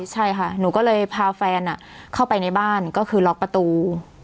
ใช่ค่ะหนูก็เลยพาแฟนเข้าไปในบ้านก็คือล็อกประตู